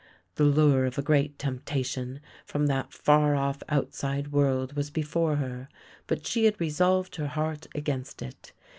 The lure of a great temptation from that far off outside world was before her, but she had resolved her heart against it.